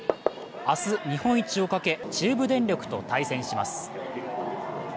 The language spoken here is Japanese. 明日、日本一をかけ中部電力と対戦します。